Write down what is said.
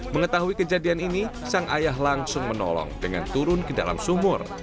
mengetahui kejadian ini sang ayah langsung menolong dengan turun ke dalam sumur